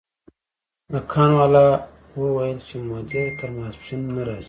دکان والا وویل چې مدیر تر ماسپښین نه راځي.